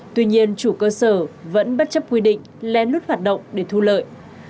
tuy nhiên chủ cơ sở vẫn bất chấp quy định lén lút hoạt động để thu lợi